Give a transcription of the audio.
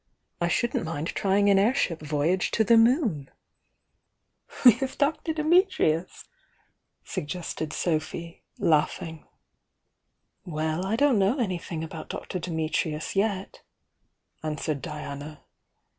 I shouldn't mind trying an airship voy age to the moon!" "With Dr. Dimitrius?' suggested Sophy, laughing. "Well, I don't know anything about Dr. Dimitrius yet," answered Diana.